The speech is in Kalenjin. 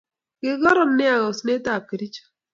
kikoron neaa oset ab kericho